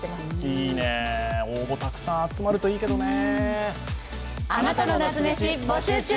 いいね、応募たくさん集まるといいけどね。